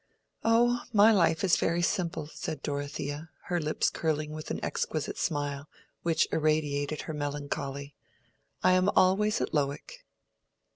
"Oh, my life is very simple," said Dorothea, her lips curling with an exquisite smile, which irradiated her melancholy. "I am always at Lowick."